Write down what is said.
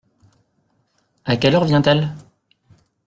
À quelle heure vient-elle ?